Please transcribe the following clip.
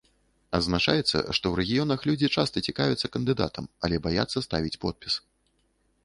Адзначаецца, што ў рэгіёнах людзі часта цікавяцца кандыдатам, але баяцца ставіць подпіс.